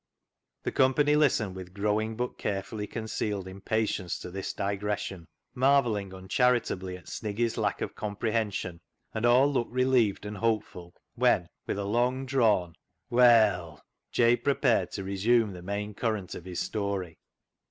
The company listened with growing but carefully concealed impatience to this digres sion, marvelling uncharitably at Sniggy's lack of comprehension, and all looked relieved and hopeful when, with a long drawn " Well," Jabe prepared to resume the main current of his story.